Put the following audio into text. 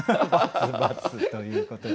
××ということで。